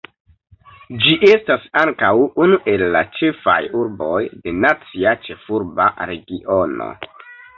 Ĝi estas ankaŭ unu el la ĉefaj urboj de Nacia Ĉefurba Regiono.